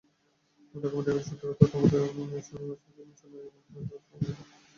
ঢাকা মেডিকেলের সূত্রের তথ্যমতে, অধ্যাপক শাহনেওয়াজ হাজি ম্যানসনে থাকা একটি ব্যাংকে যান।